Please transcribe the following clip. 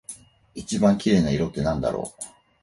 一番綺麗な色ってなんだろう？